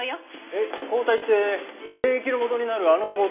えっ抗体って免疫の元になるあの抗体ですか？